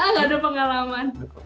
nggak ada pengalaman